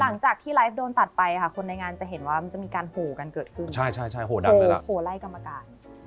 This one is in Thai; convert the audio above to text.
หลังจากที่ไลฟ์โดนตัดไปค่ะคนในงานจะเห็นว่ามันจะมีการโหกันเกิดขึ้นไล่กรรมการ